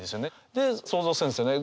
で想像するんですよね。